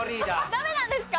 ダメなんですか！？